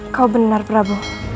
kau benar prabu